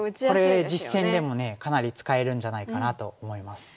これ実戦でもねかなり使えるんじゃないかなと思います。